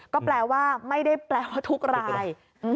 ก็แปลว่าไม่ได้แปลว่าทุกราย